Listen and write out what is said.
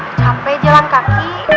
capek jalan kaki